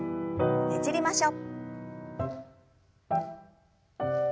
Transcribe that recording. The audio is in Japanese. ねじりましょう。